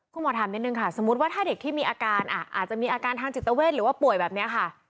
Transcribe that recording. คุณหมอถามนิดนึงค่ะสมมุติว่าถ้าเด็กที่มีอาการอาจจะมีอาการทางจิตเวทหรือว่าป่วยแบบนี้ค่ะ